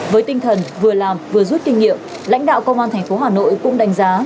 với tinh thần vừa làm vừa rút kinh nghiệm lãnh đạo công an tp hà nội cũng đánh giá